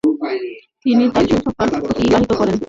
তিনি তার শৈশবকাল অতিবাহিত করেন।